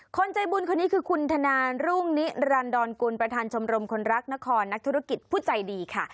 คนใจบุญคนนี้คือคุณธนารุ่งนิรันดรกุลประธานชมรมคนรักนครนักธุรกิจผู้ใจดีค่ะ